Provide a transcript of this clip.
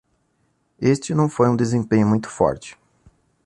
Este não foi um desempenho muito forte.